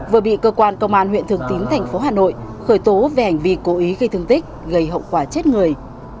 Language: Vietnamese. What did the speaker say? vừa bị cơ quan công an huyện thường tín thành phố hà nội khởi tố về hành vi cố ý gây thương tích gây hậu quả chết người